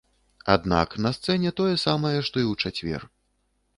Аднак, на сцэне тое самае, што і ў чацвер.